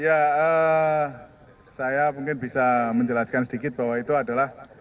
ya saya mungkin bisa menjelaskan sedikit bahwa itu adalah